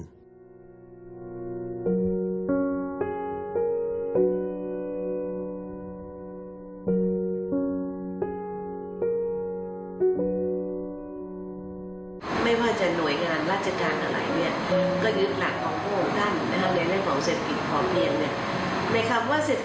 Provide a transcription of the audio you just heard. พระองค์เสด็จพระราชศรีมา